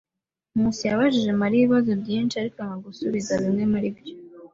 Nkusi yabajije Mariya ibibazo byinshi, ariko yanga gusubiza bimwe muri byo.